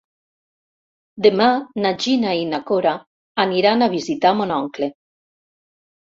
Demà na Gina i na Cora aniran a visitar mon oncle.